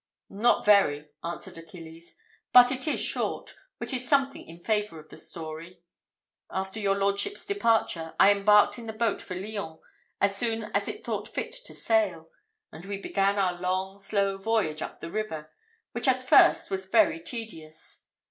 "Not very," answered Achilles; "but it is short, which is something in favour of a story. After your lordship's departure, I embarked in the boat for Lyons, as soon as it thought fit to sail, and we began our long slow voyage up the river, which at first was very tedious.